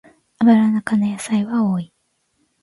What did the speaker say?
アブラナ科の野菜は多い